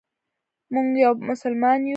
موږ یو مسلمان یو.